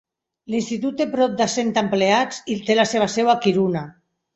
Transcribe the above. L'institut té prop de cent empleats i té la seva seu a Kiruna.